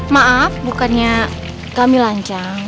maaf bukannya kami lancar